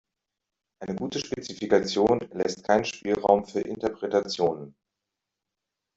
Eine gute Spezifikation lässt keinen Spielraum für Interpretationen.